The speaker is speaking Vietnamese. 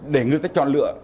để người ta chọn lựa